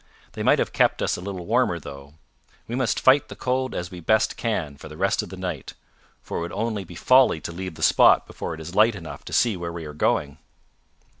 They might have kept us a little warmer though. We must fight the cold as we best can for the rest of the night, for it would only be folly to leave the spot before it is light enough to see where we are going."